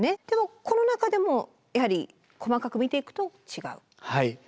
でもこの中でもやはり細かく見ていくと違う。